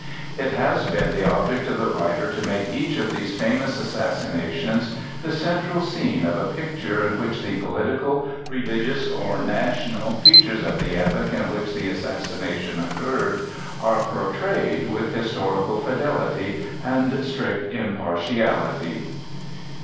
It has been the object of the writer to make each of these "famous assassinations" the central scene of a picture in which the political, religious, or national features of the epoch in which the assassination occurred are portrayed with historical fidelity and strict impartiality.